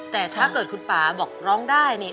แต่ถ้าเกิดคุณป่าบอกร้องได้นี่